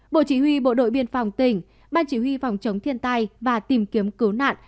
bộ chỉ huy bộ đội biên phòng tỉnh ban chỉ huy phòng chống thiên tai và tìm kiếm cứu nạn